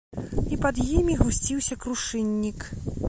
І пад імі гусціўся крушыннік.